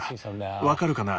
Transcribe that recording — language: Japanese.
わかるかな？